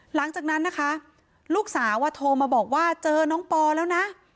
หลังจากนั้นนะคะลูกสาวโทรมาบอกว่าเจอน้องปอแล้วนะ